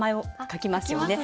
書きますね。